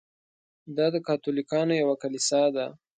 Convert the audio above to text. دا د کاتولیکانو یوه کلیسا ده.